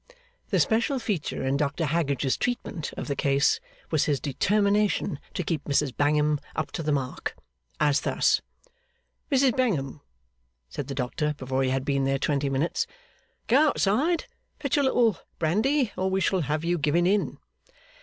The special feature in Dr Haggage's treatment of the case, was his determination to keep Mrs Bangham up to the mark. As thus: 'Mrs Bangham,' said the doctor, before he had been there twenty minutes, 'go outside and fetch a little brandy, or we shall have you giving in.